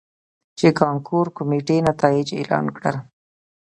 ،چې کانکور کميټې نتايج اعلان کړل.